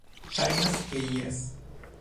Ŝajnas, ke jes.